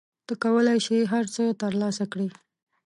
ته کولای شې هر څه ترلاسه کړې.